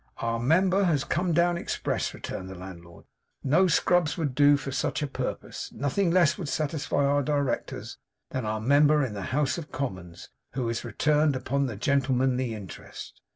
'Our member has come down express,' returned the landlord. 'No scrubs would do for no such a purpose. Nothing less would satisfy our Directors than our member in the House of Commons, who is returned upon the Gentlemanly Interest.